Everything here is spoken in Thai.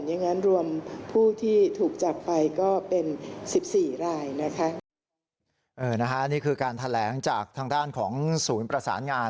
อย่างนั้นรวมผู้ที่ถูกจับไปก็เป็นสิบสี่รายนะคะนี่คือการแถลงจากทางด้านของศูนย์ประสานงาน